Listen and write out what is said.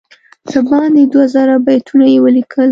څه باندې دوه زره بیتونه یې ولیکل.